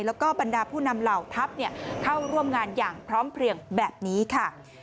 แล้วก็บรรดาผู้นำเหล่าทัพเข้าร่วมงานอย่างพร้อมเพลียงแบบนี้ค่ะ